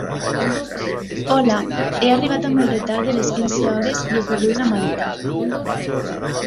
Hola, he arribat amb el retard de les quinze hores i he perdut la maleta.